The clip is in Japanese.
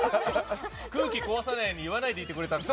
空気壊さないように言わないでいてくれたんだ。